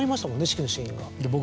指揮のシーンが。